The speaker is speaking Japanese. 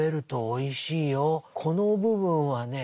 この部分はね